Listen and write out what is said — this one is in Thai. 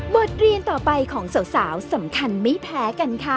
บทเรียนต่อไปของสาวสำคัญไม่แพ้กันค่ะ